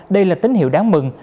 đây là tín hiệu đáng mừng